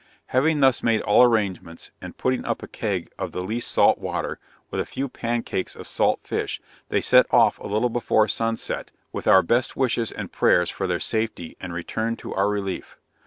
Having thus made all arrangements, and putting up a keg of the least salt water, with a few pancakes of salt fish, they set off a little before sunset with our best wishes and prayers for their safety and return to our relief.